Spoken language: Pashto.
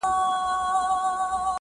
o ستا خــوله كــي ټــپه اشــنا.